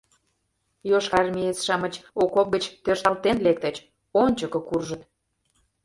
Йошкарармеец-шамыч окоп гыч тӧршталтен лектыч, ончыко куржыт.